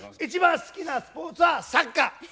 一番好きなスポーツはサッカー。